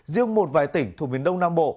riêng một vài tỉnh thuộc miền đông nam bộ